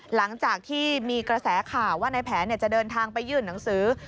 หลังจากที่มีกระแสข่าวว่าในแผนจะเดินทางไปยื่นหนังสือ